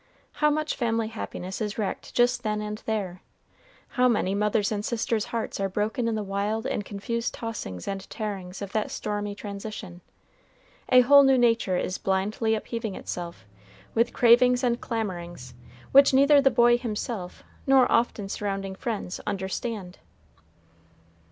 How much family happiness is wrecked just then and there! How many mothers' and sisters' hearts are broken in the wild and confused tossings and tearings of that stormy transition! A whole new nature is blindly upheaving itself, with cravings and clamorings, which neither the boy himself nor often surrounding friends understand.